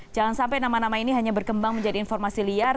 jangan sampai nama nama ini hanya berkembang menjadi informasi liar